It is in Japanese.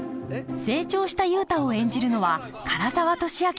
成長した雄太を演じるのは唐沢寿明さん。